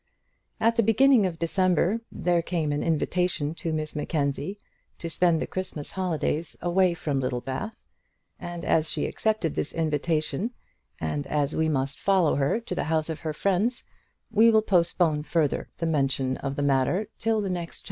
At the beginning of December there came an invitation to Miss Mackenzie to spend the Christmas holidays away from Littlebath, and as she accepted this invitation, and as we must follow her to the house of her friends, we will postpone further mention of the matter till the next chapter.